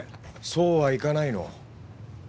そうはいかないの。